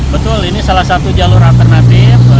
betul ini salah satu jalur alternatif